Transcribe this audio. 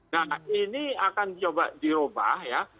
nah ini akan dicoba diubah